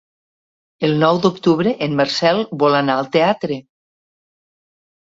El nou d'octubre en Marcel vol anar al teatre.